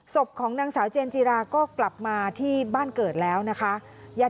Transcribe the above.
ศพของนางสาวเจนจิราก็กลับมาที่บ้านเกิดแล้วนะคะ